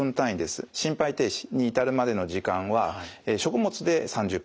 心肺停止に至るまでの時間は食物で３０分と。